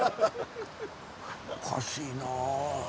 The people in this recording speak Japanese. おかしいな。